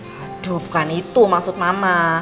waduh bukan itu maksud mama